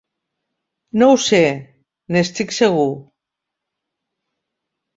No ho sé, n'estic segur!